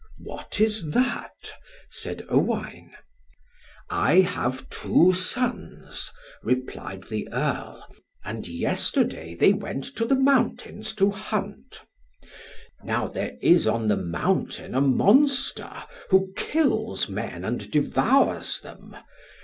"What is that?" said Owain. "I have two sons," replied the Earl, "and yesterday they went to the mountains to hunt. Now there is on the mountain a monster, who kills men and devours them.